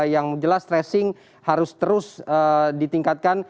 yang jelas tracing harus terus ditingkatkan